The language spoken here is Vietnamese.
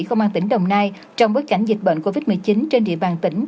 công an tỉnh đồng nai trong bối cảnh dịch bệnh covid một mươi chín trên địa bàn tỉnh